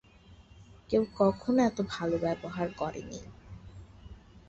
কেউ কখনো এত ভালো ব্যবহার করেনি।